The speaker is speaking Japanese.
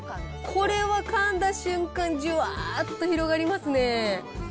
これはかんだ瞬間、じゅわーっと広がりますね。